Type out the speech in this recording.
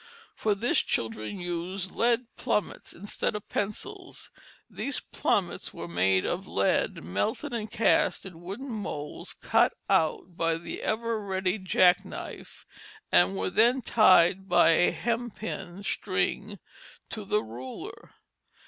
For this children used lead plummets instead of pencils. These plummets were made of lead melted and cast in wooden moulds cut out by the ever ready jackknife and were then tied by a hempen string to the ruler.